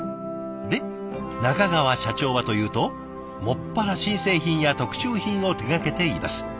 で中川社長はというと専ら新製品や特注品を手がけています。